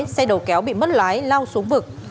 xe đầu kéo bị mất lái lao xuống vực